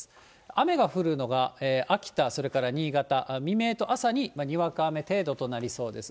雨が降るのが秋田、それから新潟、未明と朝に、にわか雨程度となりそうです。